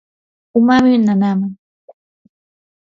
umami nanaaman.